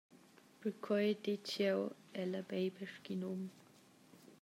Perquei ditg jeu: ella beiba sc’in um.